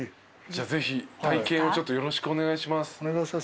じゃあぜひ体験をちょっとよろしくお願いします。